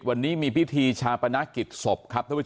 วันนี้มีพิธีชาปนนักกิจศพ